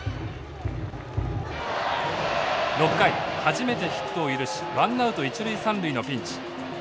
６回初めてヒットを許しワンアウト一塁三塁のピンチ。